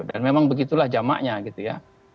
dan memang begitulah jamaknya gitu ya